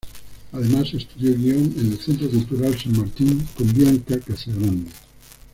Además, estudió guión en el Centro Cultural San Martín con Bianca Casagrande.